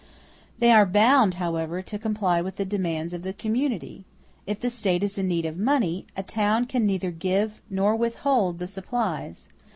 They are bound, however, to comply with the demands of the community. If the State is in need of money, a town can neither give nor withhold the supplies.